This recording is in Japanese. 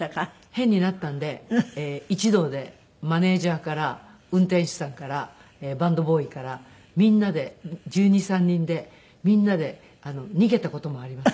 変になったんで一同でマネジャーから運転手さんからバンドボーイからみんなで１２１３人でみんなで逃げた事もあります。